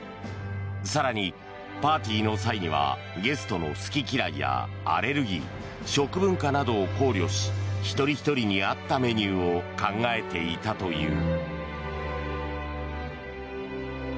更に、パーティーの際にはゲストの好き嫌いやアレルギー食文化などを考慮し一人ひとりに合ったメニューを考えていたという。